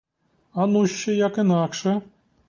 Ану, ще як інакше!